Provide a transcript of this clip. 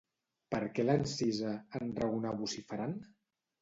Per què l'encisa, enraonar vociferant?